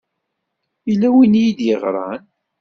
Yella win i yi-d-yeɣṛan?